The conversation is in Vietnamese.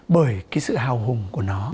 bởi cái sự hào hùng của nó